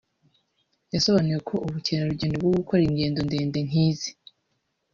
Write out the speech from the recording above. yasobanuye ko ubukerarugendo bwo gukora ingendo ndende nk’izi